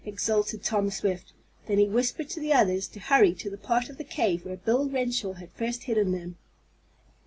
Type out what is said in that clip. exulted Tom Swift. Then he whispered to the others to hurry to the part of the cave where Bill Renshaw had first hidden them.